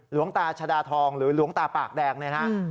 หลวงตาชดาทองหรือหลวงตาปากแดงเนี่ยนะ